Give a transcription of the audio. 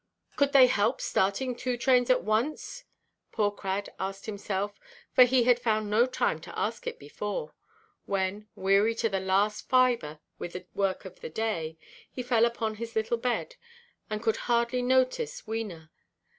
"Could they help starting two trains at once?" poor Crad asked himself—for he had found no time to ask it before—when, weary to the last fibre with the work of the day, he fell upon his little bed, and could hardly notice Wena.